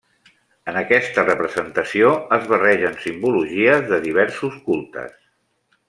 En aquesta representació es barregen simbologies de diversos cultes.